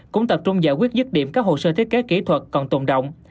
cũng tập trung giải quyết dứt điểm các hồ sơ thiết kế kỹ thuật còn tồn động